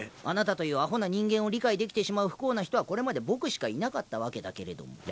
あなたというアホな人間を理解できてしまう不幸な人はこれまで僕しかいなかったわけだけれども。